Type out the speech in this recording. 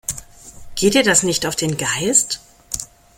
Geht dir das nicht auf den Geist?